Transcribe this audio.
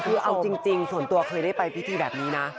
คือเอาจริงส่วนตัวเคยได้ไปพิธีแบบนี้นะ